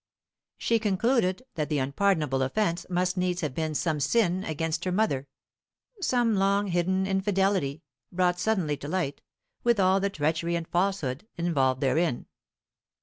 She concluded that the unpardonable offence must needs have been some sin against her mother, some long hidden infidelity brought suddenly to light, with all the treachery and falsehood involved therein.